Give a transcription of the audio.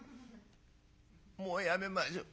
「もうやめましょ。